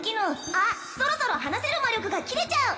あっそろそろ話せる魔力が切れちゃう